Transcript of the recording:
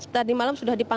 tadi malam sudah dilakukan